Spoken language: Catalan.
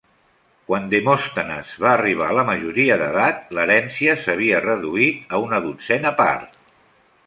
Quan Demòstenes va arribar a la majoria d'edat l'herència s'havia reduït a una dotzena part.